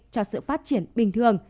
cho sự phát triển bình thường